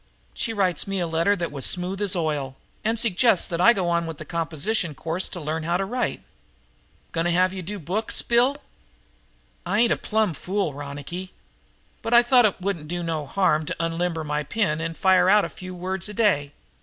She writes me a letter that was smooth as oil and suggests that I go on with a composition course to learn how to write." "Going to have you do books, Bill?" "I ain't a plumb fool, Ronicky. But I thought it wouldn't do me no harm to unlimber my pen and fire out a few words a day.